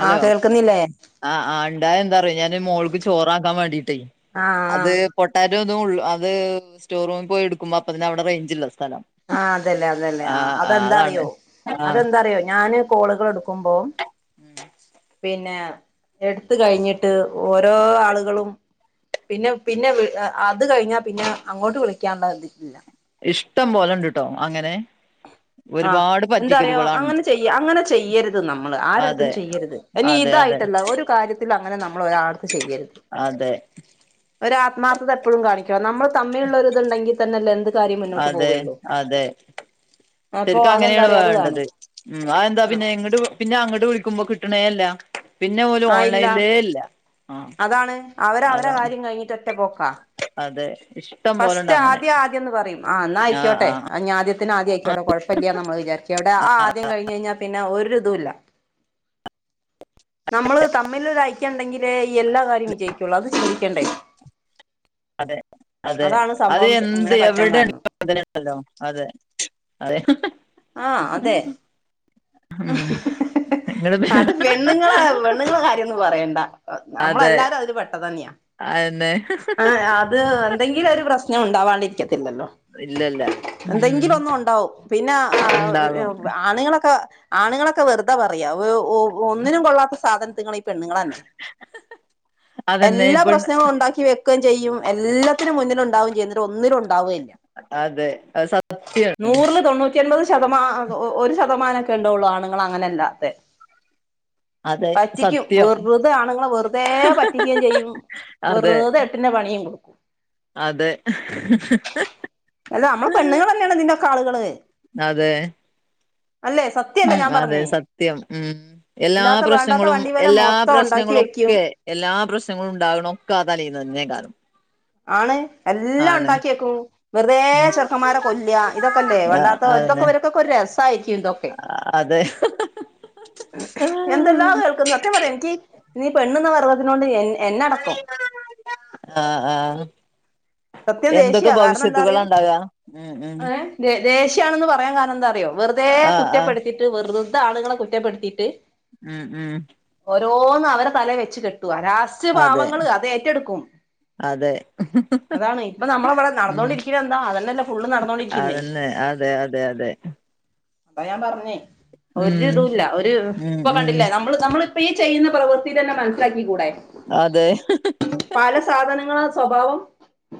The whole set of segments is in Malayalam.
ഹലോ ആഹ് കേൾക്കുന്നില്ലേ ആഹ് ആ ഇണ്ടായ എന്താറിയോ ഞാൻ മോൾക്ക് ചോറാക്കാവേണ്ടീട്ടേ ആഹ് അത് ആഹ് പൊട്ടാറ്റോതും ഉള്ളൂ അത് സ്റ്റോർറൂമിൽ പോയി എടുക്കുമ്പോ അപ്പതന്നെ അവടെ റേഞ്ചിള്ള സ്ഥലം. ആ അതന്നേ അതന്നേ ആ ആഹ് ആഹ് അതാണ് അതെന്താറിയോ ആഹ് അതെന്താറിയോ ഞാന് കോളുകൾ എടുക്കുമ്പോം.... ഉം പിന്നെ എട്ത് കഴിഞ്ഞിട്ട് ഓരോ ആളുകളും.. പിന്നെ പിന്നെ വ് അ അത് കഴിഞ്ഞാ പിന്ന അങ്ങോട്ട് വിളിക്കാൻള്ളതി ഇല്ല. ഇഷ്ടം പോലെണ്ട് ട്ടോ അങ്ങനെ ആഹ് ഒരുപാട് എന്താറിയോ പറ്റിക്കലുകളാണ് അങ്ങനെ ചെയ്യ അങ്ങനെ ചെയ്യരുത് നമ്മള് ആരുടുത്തും അതെ ചെയ്യരുത് എനി അതെ അതെ ഇതായിട്ടല്ല ഒരു കാര്യ തിൽ അങ്ങനെ നമ്മൾ ഒരാളെട്ത്ത് ചെയ്യരുത്. അതെ ഒരു ആത്മാർത്ഥത എപ്പോഴും കാണിക്കണം നമ്മൾ തമ്മിലുള്ള ഒര് ത്ണ്ടെങ്കിൽ തന്നെല്ലേ എന്ത് കാര്യം മുന്നോട്ട് അതെ പോവുയുള്ളൂ അതെ ശരിക്കും അതെന്താ അങ്ങനെയാണ് പറയാ അത് വേണം വേണ്ടത് ഉം, അതെന്താ ആഹ് പിന്നെ ഇങ്ങട് പിന്നെ അങ്ങട് വിളിക്കുമ്പോ കിട്ടണേല്ല? പിന്നെ ഓൽ ആ ഇല്ല ഓൺലൈൻലേ ഇല്ല ആഹ് അതാണ് അവര അവരെ അതാണ് കാര്യം കഴിഞ്ഞിട്ട് ഒറ്റ പോക്കാ. അതെ ഇഷ്ടം പോലെണ്ട് ഫസ്റ്റ് അങ്ങനെ ആദ്യം ആദ്യന്ന് പറയും ആ എന്നാ ആഹ് അയിക്കോട്ടെ ആഹ് അഞ്ഞി ആദ്യത്തിന് ആദ്യയിക്കോട്ടെ കുഴപ്പല്യന്ന് നമ്മള് വിചാരിക്യാ എവടെ അ ആദ്യ കയിഞ്ഞായിഞ പിന്നെ ഒരുതുല്ല നമ്മള് തമ്മില്ള്ള ഐക്യ ണ്ടെങ്കിലേ എല്ലാ കാര്യം വിജയിക്കുള്ളൂ അത് ചിന്തിക്കണ്ടേ അതെ അതെ അതാണ് അത് സംഭവം എന്ത് ഇങ്ങനെ പറ്റാൻ എവിടെ കാരണം [unintelligible] അതെ അതെ ഹി ഹി ആ അതെ ഹി ഉം ഹി നിങ്ങള് അത് പെണ്ണുങ്ങളെ പെണ്ണുങ്ങളെ കാര്യഒന്നും പറയണ്ട എ നമ്മളെ അതെ എല്ലാരും അതില് പെട്ടതന്യ അതന്നെ എ അത് എന്തെങ്കിലും ഒരു പ്രശ്നം ഉണ്ടാവാണ്ടിരിക്കത്തില്ലല്ലോ. ഇല്ലല്ല ഉം എന്തെങ്കിലു ഒന്നുണ്ടാവും പിന്നെ അ ഉ ഉണ്ടാകും ആണുങ്ങളൊക്കെ ആണുങ്ങളൊക്കെ വെറുതെ പറയ വേ ഉ ഒന്നിനും കൊള്ളാത്ത സാധനത്തിങ്ങള് ഈ പെണ്ണുൾ തന്നെ. അതന്നെ എല്ലാ ഇപ്പൊ പ്രശ്നങ്ങളും ഉണ്ടാക്കി വെക്കെചെയ്യും എല്ലാത്തിനും മുന്നില് ണ്ടാവേ ചെയ്യുന്നട്ട് ഒന്നിലുണ്ടവെല്യ ഉണ്ടാവേയില്ല അതെ അത് സത്യാണ് നൂറ്റി എൻപത് ശതമാ ഒ ഒരു ശതമാനൊക്കെണ്ടവോള്ളു ആണുങ്ങൾ അങ്ങനെ അല്ലാത്ത അതെ പറ്റിക്കും സത്യം വെറുതെ അ ങ്ങളെ വെറുതേ പറ്റിക്കെം ചെയ്യും അതെ വെറുതെ എട്ടിന്റെ പണിയും കൊടുക്കും അതെ ഹെ ഹെ പെണ്ണ്ങ്ങളെന്നെയാണ് ഇതിൻ്റൊക്കളുകള് അതെ അല്ലെ സത ഉം അതെ സത്യം ഉം എല്ലാ ഇല്ലാത്ത വേണ്ടാത്ത പ്രശ്നങ്ങളും വണ്ടി വില എല്ലാ മൊത്തം ഉണ്ടാക്കി വെക്കും പ്രശ്നങ്ങളൊക്കെ എല്ലാ പ്രശ്നങ്ങളുണ്ടവ്‌നൊക്കെ അ തലേന്നെന്നായിക്കാരം ആണ് എല്ലാ ഉണ്ടാക്യകും വെറുത ഉം ചെറുക്കമാര കൊല്യ ഇതൊക്കെല്ലേ ആ വണ്ടത്ത അതന്നെ ഒരുതൊക്കെ വരക്കൊക്കെ ഒരു രസായിരിക്യു തൊക്കേ അതെ ഹി എന്തെല്ലാ കേൾക്കുന്ന സത്യം പറയാം എനിക്ക് നീ പെണ്ണുന്ന പറയുന്നതിനോട് എന്നെടകം [unintelligible] ആ ആ സത്യം ദേഷ്യം കാരണാന്തറിയോ? ഉണ്ടാകാ ഉം ഉം ഏ ദേ ദേഷ്യാണെന്ന് പറയാകാരണ എന്താ അറിയോ വെറുതെ ആഹ് ആഹ് കുറ്റപ്പെടുത്തി റ്റ് വെറുതെ ആളുകളെ കുറ്റപ്പെടുത്തിയിട്ട് ഉം ഉം ഓരോന്ന് അവരെ തല വെച്ച് കെട്ടു ലാസ്റ്റ് അതെ പാവങ്ങള് അത് ഏറ്റെടുക്കും അതെ അതാണ് ഇപ്പൊ നമ്മള ഇവിടെ ഉം നടന്നോണ്ടിരികിണെ എന്താ അതന്നെല്ലേ ഫുള്ളു നടന്നോണ്ടിരിക്കിനെ അതന്നെ അതെ അതെ അതെ അപ്പൊ ഞാൻ പറഞ്ഞേ ഉം ഒരിതുല്ല ഒരു ഉം ഇപ്പൊ ഉം കണ്ടില്ലേ നമ്മ നമ്മള് നമ്മളിപ്പ ഈ ചെയ്യുന്ന പ്രവൃത്തി തന്നെ മനസ്സിലാക്കി കൂടെ അതെ പല സാധനങ്ങള് സ്വഭാവം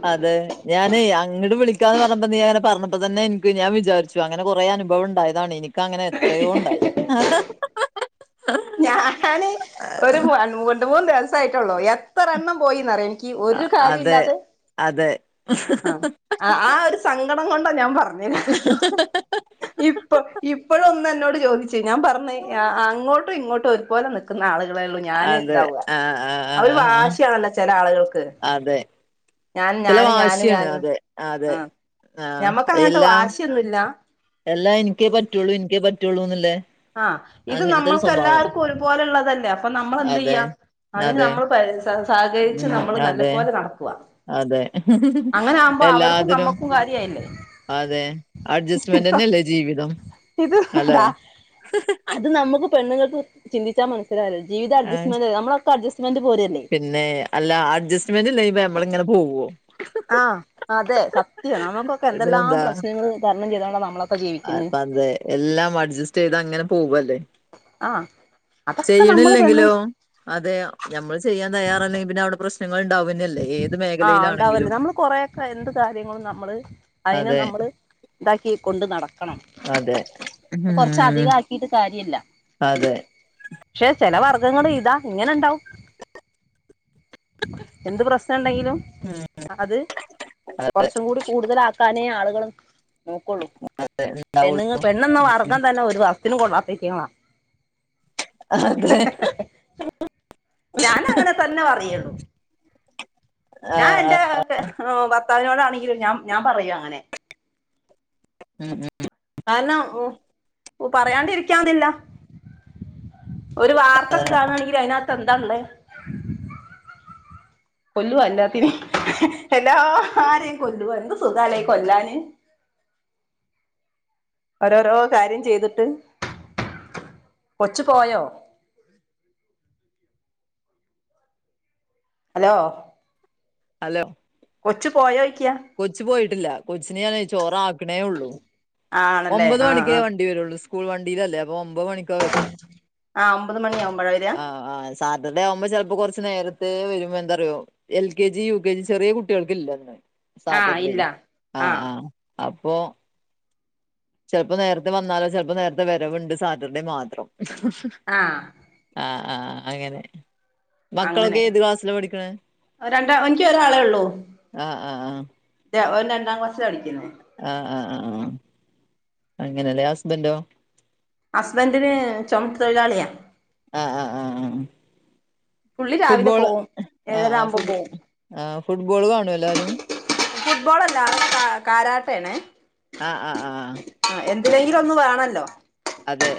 അതെ ഞാനേ അങ്ങട് വിളിക്കാന്ന് പറഞ്ഞ നീ അങ്ങനെ പറഞ്ഞപ്പോ തന്നെ എനിക്ക് ഞാൻ വിചാരിച്ചു അങ്ങനെ കൊറെ അനുഭവം ഉണ്ടായതാണ് എനിക്ക് അങ്ങനെ എത്രയോ ഉണ്ടായി ഞാന് ഒരു രണ്ട് മൂന്ന് ദിവസ ആയിട്ടുള്ളൂത്ര ഇത്ര എണ്ണം പോയിന്നറിയോ എനിക്ക് ഒരു കാര്യ അതെ ഇല്ലാതെ അതെ ആഹ ആ ആ ഒരു സങ്കടം കൊണ്ടാ ഞാൻ പറഞ്ഞേരാ ഇപ്പ ഇപ്പോഴ ഒന്ന് എന്നോട് ചോദിച്ചു ഞാൻ പറഞ്ഞ അങ്ങോട്ടും ഇങ്ങോട്ടും ഒരുപോലെ ന്ന ആളുകളേള്ളൂ ഞാന് അതെ ഇതാവുക ആഹ് ആഹ് അവര് ആഹ് ആഹ് വാശിയാണല്ലോ ചെല ആളുകൾക്ക് അതെ ഞാന് ചില ഞാന് ഞാന് വാശിയാണ് ഞാനും അതെ അതെ ആഹ ആഹ് ഞമ്മക്ക് അങ്ങനത്തെ എല്ലാം വാശിയൊന്നുംല്ല എല്ലാം എനിക്കേ പറ്റുള്ളു എനിക്കേ പറ്റുള്ളൂന്നല്ലേ ആഹ് ഇത് നമ്മൾക്കല്ലാവർക്കും ഒരുപോലെുള്ളള്ളതല്ലേ അപ്പൊ നമ്മൾ എന്ത് അതെ ചെയ്യാം അതിന് അതെ നമ്മൾ പ സഹകരിച്ച് ഉം നമ്മള് നല്ല അതെ പോലെ നടക്കുക അതെ അങ്ങനെ ആകുമ്പോ അവർക്കും എല്ലാതിനും നമ്മുക്കും കാര്യായില്ലേ അതെ അഡ്ജസ്റ്റുമെന്റ് തന്നെല്ലേ ജീവിതം ഇത് അല്ലെ [unintelligible] അത് നമുക്കു പെണ്ണൾക്ക് ചിന്തിച്ചാൽ മനസിലവുല്ലോ ജീവിത ആ, അഡ്ജസ്റ്റ് നമ്മൊക്കെ അഡ്ജസ്റ്റ് പോലും പിന്നെ അല്ല അഡ്ജസ്റ്റ്മെന്റ് ഇല്ലങ്ക നമ്മള ഇങ്ങനെ പോവുവോ ആഹ് അതെ സത്യം നമുക്കൊക്കെ ഇതിനെന്താ എന്തെല്ലാം പ്രശ്നങ്ങൾ തരണം ചെയ്ത കൊണ്ടാണ് നമ്മളൊക്കെ ജീവിക്കുന്നത് അപ്പ അതെ എല്ലാം അഡ്ജസ്റ്റ് ചെയ്ത് അങ്ങനെ പോവല്ലേ ആഹ് അതൊക്കെ നമ്മള് പെണ്ണ് ചെയ്യണില്ലെങ്കിലോ അതെ നമ്മള് ചെയ്യാൻ തയ്യാറല്ലെങ്കിൽ പിന്നെ അവിടെ പ്രശ്നങ്ങൾ ഉണ്ടാവുന്നല്ലേ ഏത് മേഖലയിലാണെങ്കിലും കുറെയൊക്കെ എന്ത് കാര്യങ്ങളും നമ്മള് അതിനെ അതെ നമ്മള് ഇതാക്കി കൊണ്ട് നടക്കണം അതെ കൊറച്ച ഉം അധികം ആക്കിട്ട് കാര്യല്ല അതെ പക്ഷെ ചില വർഗ്ഗങ്ങൾ ഇതാ ഇങ്ങനെ ഉണ്ടാവും എന്ത് പ്രശ്നം ഉണ്ടെങ്കിലും അത് കുറച്ചും കൂടി കൂടുതല താനേയും ആളുകളും നോക്കുള്ളൂ പെണ്ണു അത്ണ്ടാവുള്ളൂ പെണ്ണന്ന വർഗാൻ തന്നെ ഒരു വ ത്തിന് കൊടുവാത്തേക്ക അതെ ഞാൻ അങ്ങനെ തന്നെ പറയുള്ളൂ ഞാൻ എന്റെ ആഹ് ഭർത്താവിനോടാണെങ്കിലും ഞാൻ ഞാൻ പറയൂ അങ്ങനെ ഉം ഉം കാരണം പറയാണ്ടിരിക്കാവുന്നില്ല ഒരു വാർത്തൊക്കെ കാണുകണെങ്കിൽ അതിനകത്ത് എന്താണള്ളേ കൊല്ലുവ എല്ലാത്തിനേം എല്ലാരെയും കൊല്ലു എന്ത് സുഖാ കൊല്ലാന് ഓരോരോ കാര്യം ചെയ്തിട്ട് കൊച്ചു പോയോ ഹലോ അലോ കൊച്ചു പോയോയ്ക്കാ കൊച്ചു പോയിട്ടില്ല കൊച്ചിന ഞാൻ ചോറ ആക്കണേ ഉള്ളൂ ആണല്ലേ ഒമ്പത് ആഹ് മണിക്കേ ആഹ് വണ്ടി വരുള്ളൂ സ്കൂൾ വണ്ടിയിലല്ലേ അപ്പൊ ഒമ്പത് മണിക്കോ വരി ആഹ് ഒമ്പത് മണിയാവുമ്പോഴാ വരിക ആ സാറ്റർഡേ ആവുമ്പോ ചിലപ്പോ കുറച്ച് നേരത്തെ വരുമ്പോ എന്താറിയോ L K G U K G ചെറിയ കുട്ടികൾക്കല്ലന്ന് ആഹ് സാറ്റർഡേ ഇല്ല ആ ആഹ് ആ അപ്പോ ചിലപ്പോ നേരത്തെ വന്നാലോ ചിലപ്പോ നേരത്തെ വരവുണ്ട് സാറ്റർഡേ മാത്രം ആഹ് ആഹ് ആഹ അങ്ങനെ മക്കളൊക്കെ അങ്ങനെ ഏത് ക്ലാസ്സില പഠിക്കണ രണ്ടാ എനിക്ക് ആഹ് ആഹ് ആഹ ല്ല ഓൻ രണ്ടാം ക്ലാസ്സില പഠിക്കുന്നേ ആഹ് ആഹ് ആഹ് ആഹ് അങ്ങനല്ലെ ഹസ്ബൻഡോ ഹസ്ബൻഡിന് ചുമട്ട് തൊഴിലാളിയാ അ അ ആഹ് ആഹ് പുള്ളി രാവിലെ ഫുട്ബോള് പോവും ആഹ് ഏഴര ആഹ് ആവുമ്പോ ഫുഡ് പോവും ആഹ് ഫുട്ബോള് കാണോ എല്ലാരും? ഫുട്ബോൾ അല്ലാ കാ കാരാട്ടയാണ് ആഹ് ആഹ് ആഹ് ആഹ് ആഹ് എന്തിനെങ്കിലും ഒന്ന് വേണല്ലോ അതെ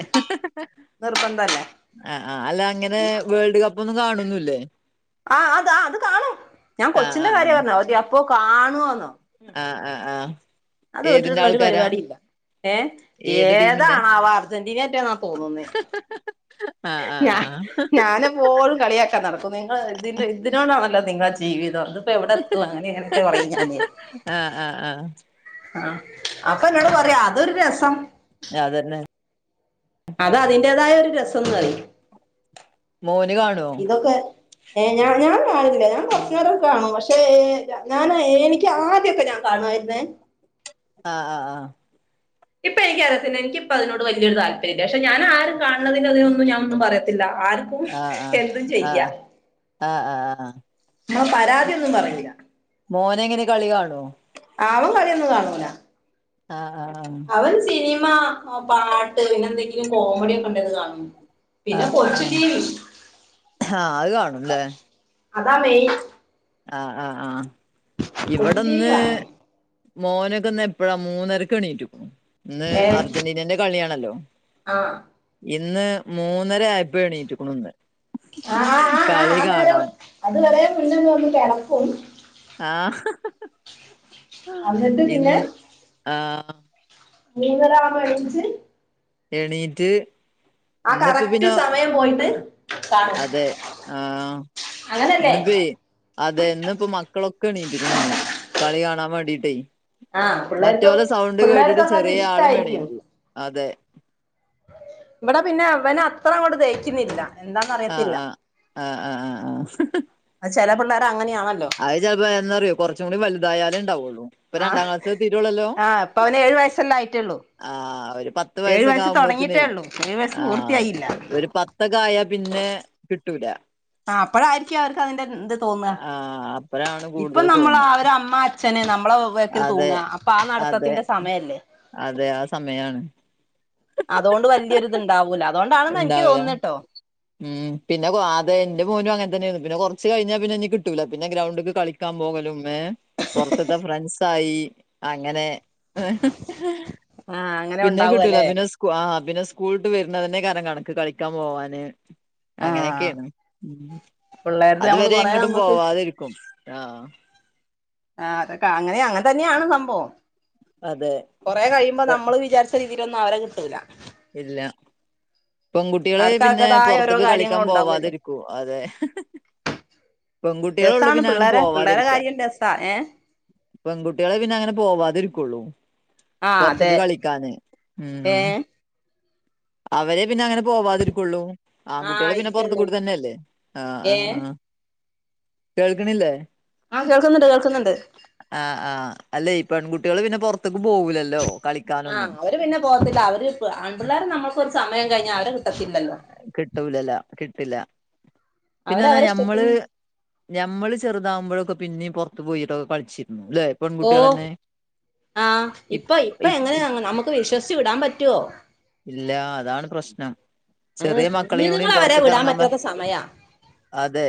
നിർബന്ധം അല്ലേ. അഹ് ആഹ് അല്ല അങ്ങനെ വേൾഡ് കപ്പ് ഒന്നും കാണുന്നുല്ലേ? ആഹ് അത് അത് കാണും ഞാൻ കൊച്ചിന്റെ ആഹ് കാര്യം പറഞ്ഞോ ഓ അപ്പോ കാണുന്നോ. ആഹ് ആഹ് ആഹ് അത് ഏതിന്റെ [unintelligible] ഒരു ആൾക്കാരാ പരിപാടി ഇല്ല. ഏഹ് ഏത് ടീമിന്റെ ഏതാണാവ അർജന്റീനറ്റേന്നാ തോന്നുന്നേ ആഹ് ആഹ് ഞാ ആഹ് ഞാനും ഓളും കളിയാക്കാൻ നടക്കും നിങ്ങൾ ഇതി ഇതിനോടാണല്ലോ നിങ്ങള ജീവിതം ത് പ്പ എവിടെ എത്തും അങ്ങനെ ഇങ്ങനൊക്കെ കൊറേ [unintelligible] ആഹ് ആഹ് ആഹ് ആഹ് അപ്പൊ എന്നോട് പറയാ അതൊരു രസം. ഞാതന്നെ അത് അതിന്റേതായ ഒരു രസംന്ന് പറിം. മോന് കാണോ? ഇതൊക്കെ ഏഹ് ഞാ ഞാൻ കാണില്ല ഞാൻ കൊർച്ചേരം കാണും. പക്ഷെ ഞാൻ ഏഴണിക്ക് ആദ്യക്കെ ഞ അവ്ട്ന്നാ വര്ണെ ആഹ് ആഹ് ആഹ് ഇപ്പ എനിക്ക് അറിയത്തിന് എനിക്ക്പ്പപ്പോ അതിനോട് വലിയൊ താല്പര്യല്ല. പക്ഷെ ഞാ ആരും കാൺതിന് അതിനൊന്നും ഞാ ഒന്നും പറയത്തില്ല ആർക്കും ആഹ് ആഹ് എന്തും ചെയ്യാ. ആഹ് ആഹ് ആഹ് ആഹ് [unintelligible] പരാതിയൊന്നും പറയൂല. മോന എങ്ങനെ കളികാണോ? അവം കളി ഒന്നും കാണൂല. ആഹ് ആഹ് അവര് സിനിമ പാട്ട് പിന്നെ എന്തെങ്കിലും കോമഡിയ ഒക്കെ ണ്ടങ്കി കാണും. പിന്നെ ആഹ് കൊച്ചു ആഹ് ടി വി ആഹ് അത് കാണുംല്ലേ? അതാ മേയ്ൻ ആഹ് ആഹ് ആഹ് കൊച്ചു ടി വി ഇവടെന്ന് കാണും മോനൊക്കെന്ന് എപ്പഴാ മൂന്നരക്ക് എണീറ്റ് ഇന്ന് ഏ അർജന്റീനന്റെ കളിയാണല്ലോ ആ ഇന്ന് മൂന്നര ആയപ്പ എണീറ്റ്ക്കുണു ന്ന്. ആ ആ ആ ആ കളി ആ നേരം കാണാൻ അത് വരെ പിന്നെ ഞ്ഞ് വന്ന് കെടക്കും. ആഹ് എന്നിട്ട് ഇന്ന് പിന്നെ ആഹ് [unintelligible] എണീച്ച് എണീറ്റ് ആ ഇന്നിപ്പോ കറക്റ്റ് പിന്നെ സമയം പോയിട്ട് കാണും അതെ ആഹ് ഇന്ന് അങ്ങനല്ലേ പ്പെ അതെ ഇന്ന് പ്പോ മക്കളൊക്കെ എണീറ്റിക്കുണു ന്ന് കളി കാണാൻ വേണ്ടീട്ടേ. ആഹ് പിള്ളേർക്ക് മറ്റോലെ സൗണ്ട് കേട്ടിട്ട് പിള്ളേർക്കൊക്കെ അത് ചെറിയ ആളും ഇഷ്ടായിരിക്കും എണീറ്റു അതെ. ഇവടെ പിന്നെ അവന അത്ര അങ്ങോട്ട് ദഹിക്കുന്നില്ല. എന്താന്ന് ആഹ് അറിയത്തില്ല ആഹ് ആഹ് ആഹ് ആഹ് ആഹ് അത് ചെലെ പിള്ളേർ അങ്ങനെയാണല്ലോ അത് ചെലപ്പോ ന്തറിയോ കൊറച്ച് കൂടി വലുതായാലേ ഇണ്ടാവുള്ളൂ. ആഹ് ആ ഇപ്പൊ അവന് ഏഴു വയസ്സല്ലെ ആയിട്ടൊള്ളൂ. ആഹ് ഒരു പത്ത് വയസക്കെ ആവുമ്പോത്തിനെ ഉള്ളൂ ഏഴു വയസ്സ് ആഹ് പൂർത്തിയായില്ല ഒരു പത്തൊക്കെ ആയാ പിന്നെ കിട്ടൂല ആഹ് അപ്പഴായിരിക്കും അവർക്ക് അതിന്റെ ഇത് തോന്ന ആഹ് അപ്പഴാണ് ഇപ്പൊ കൂടുതൽ നമ്മൾ തോന്നുക ആ ഒരു അമ്മ അ ഛന് നമ്മളെ വേക്കിൽ തൂങ്ങ അതെ അപ്പൊ ആ അതെ നടത്തത്തിന്റെ സമയല്ലേ അതെ ആ സമയാണ് അതോണ്ട് വല്യര് ഇത്ണ്ടാവൂല അദൊണ്ടാണെന്ന് എനിക്ക് ഉണ്ടാവൂല തോന്ന്ന്നട്ടോ ഉം പിന്നെ അദേ ഇന്റെ മോനും അങ്ങൻ തന്നെണ് പിന്നെ കൊർച്ച് കഴിഞ്ഞാ പിന്നെ എനിക്ക് കിട്ടൂല്ല പിന്നെ ഗ്രൗണ്ട്ക്ക് കളിക്കാൻ പോകലും. ഏഹ് പൊർത്ത്ത്തെ ഫ്രണ്ട്സ് ആയി അങ്ങനെ. ആഹ് അങ്ങനെ പിന്നെ ഉണ്ടാവും കിട്ടൂല അല്ലേ പിന്നെ സ്- ആഹ് പിന്നെ സ്കൂൾട്ട് വരുന്നതന്നെയ്കാരം കണക്ക് കളിക്കാൻ പോവാന്. ആഹ് അങ്ങനെക്കെണ് പിള്ളേരുടെ നമ്മള് അതുവരെ കൊറേ എങ്ങട്ടും നമ്മക്ക് പോവാതിരിക്കും ആഹ് ആഹ് അതൊക്കെ അങ്ങനെ അങ്ങൻ തന്നെണ് സംഭവം അതെ കൊറെ കഴിയുമ്പോ പെ നമ്മള് വിചാരിച്ച, രീതിയിലൊന്നും അവരെ കിട്ടൂല്ല ഇല്ല. പെൺകുട്ടികള് അവർക്ക് പിന്നെ അവരുടേതായ ഓരോ പൊർത്ത്ക്ക് കാര്യങ്ങൾ കളിക്കാൻ ഉണ്ടാവുമല്ലോ പോവാതിരിക്കും അതെ പെൺകുട്ടികളെള്ളു രസാണ് പിന്നെ അങ്ങനെ പിള്ളേരെ പിള്ളേരെ പോവാതിരിക്ക കാര്യം രസാ ഏ പെൺകുട്ടികളെ പിന്നെ അങ്ങനെ പോവാതിരിക്കൊള്ളൂ ആ പൊർത്ത്ക്ക് അതെ കളിക്കാന് ഏ ഉം. അവരെ പിന്നെ അങ്ങനെ പോവാതിരിക്കൊള്ളൂ ആ ആൺകുട്ടികള് പിന്നെ ഇരിക്കുള്ളൂ പൊർത്ത്കൂടി തന്നെല്ലേ ഏ ആഹ്ആഹ്. കേൾക്ക്ണില്ലേ ആഹ് കേൾക്കുന്നുണ്ട് കേൾക്കുന്നുണ്ട് ആഹ് ആഹ് അല്ലേ പെൺകുട്ടികള് പിന്നെ പൊർത്ത്ക്ക് പോകൂലല്ലോ കളിക്കാനൊന്നും അത് പിന്നെ പോകത്തില്ല അവര് ആൺപിള്ളേരെ നമ്മുക്കൊരു സമയം കഴിഞ്ഞാ അവരെ കിട്ടത്തില്ലല്ലോ കിട്ടുല്ലല്ലോ കിട്ടില്ല അവര് പിന്നെന്താ അവരെ ഞമ്മള് ഇഷ്ടത്തിന് ഞമ്മള് ചെറുതാകുമ്പഴൊക്കെ പിന്നെയും പൊർത്ത് പോയിട്ടൊക്കെ കളിച്ചിരുന്നു ല്ലെ ഓ പെൺകുട്ടികൾ തന്നെ ആഹ് ഇപ്പൊ ഇപ്- ഇപ്പ ഇപ്- എങ്ങനെ നമുക്ക് വിശ്വസിച്ച് വിടാൻ പറ്റൊ ഇല്ല അതാണ് പ്രശ്നം ചെറിയ മക്കളെയും കൂടിയും [unintelligible] വരെ പുറത്തേക്ക് വിടാൻ ഇറങ്ങാൻ പ പറ്റാത്ത സമയ അതെ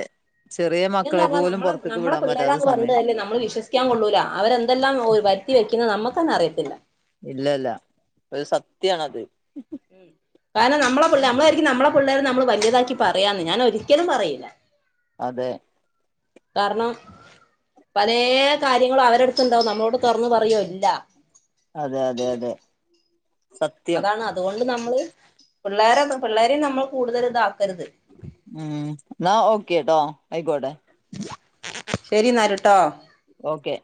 ചെറിയ മക്കളെ പിന്നെന്നർഞ്ഞാ പോലും നമ്മളെ പുറത്തേക്ക് നമ്മളെ വിടാൻ പറ്റാത്ത പിള്ളേരാന്ന് പറഞ്ഞിട്ട് സമയം കാര്യല്ല നമ്മള് വിശ്വസി ക്യാൻ കൊള്ളൂല അവരെന്തെല്ലാം വരുത്തി വെക്കുന്നത് നമുക്കന്നെ അറിയത്തില്ല ഇല്ല ഇല്ല ഒരു സത്യയാണത്. കാരണം നമ്മളെ പിള്ളേർ നമ്മളായിരിക്കും നമ്മളെ പിള്ളേരെ നമ്മള് വല്യതാക്കി പറയാന്ന് ഞാൻ ഒരിക്കലും പറയില്ല. അതെ. കാരണം. പലെ കാര്യങ്ങൾ അവരെടുത്തുണ്ടാവും നമ്മളോട് തൊർന്നു പറയോ ഇല്ല അതെ അതെ അതെ സത്യം അതാണ് അതുകൊണ്ട് നമ്മള് പിള്ളേരെ പിള്ളേരിം നമ്മൾ കൂടുതൽ ഇതാക്കരുത് ഉം ന്നാ ഓക്കെ ട്ടോ അയിക്കോട്ടെ ശരി ഇന്നാല് ട്ടോ ഓക്കെ